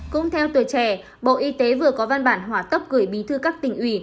cũng theo tuổi trẻ bộ y tế vừa có văn bản hỏa tốc gửi bí thư các tỉnh ủy